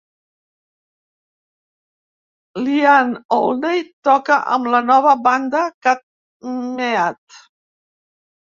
L'Ian Olney toca amb la nova banda Cat Meat.